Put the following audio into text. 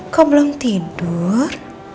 kau belum tidur